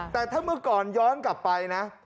แต่ถ้าเมื่อก่อนย้อนกลับไปนะ